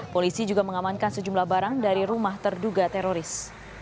polisi juga mengamankan sejumlah barang dari rumah terduga teroris